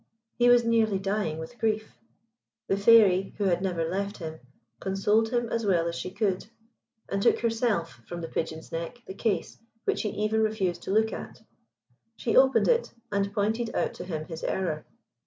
He was nearly dying with grief. The fairy, who had never left him, consoled him as well as she could, and took herself from the Pigeon's neck the case, which he even refused to look at. She opened it, and pointed out to him his error.